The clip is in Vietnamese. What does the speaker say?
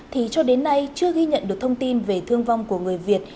thì cho đến nay chưa ghi nhận được thông tin về thương vong của người việt